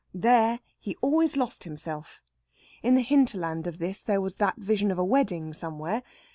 There he always lost himself. In the hinterland of this there was that vision of a wedding somewhere.